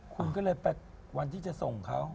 คุณก็เลยไปวันที่จะส่งเขา